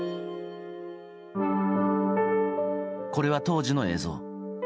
これは当時の映像。